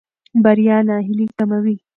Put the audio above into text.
بریا ناهیلي کموي.